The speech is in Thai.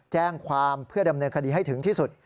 แจ้งความเพื่อดำเนินคดีให้ถึงที่สุด